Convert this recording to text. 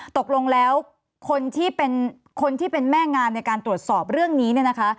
ตกลงแล้วคนที่เป็นคนที่เป็นแม่งานในการตรวจสอบเรื่องนี้เนี่ยนะคะ